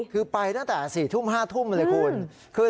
คือไปตั้งแต่๔ทุ่ม๕ทุ่มเลยคุณ